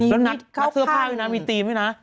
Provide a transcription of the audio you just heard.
รถปิดเข้าถ้าอยู่น้ำมีธีมบ้างนะ